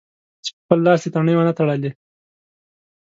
چې په خپل لاس دې تڼۍ و نه تړلې.